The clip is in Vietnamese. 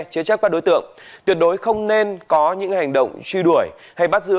chế chấp các đối tượng tuyệt đối không nên có những hành động truy đuổi hay bắt giữ